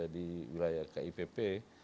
di wilayah kipp